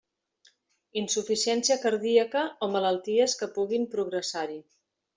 Insuficiència cardíaca o malalties que puguin progressar-hi.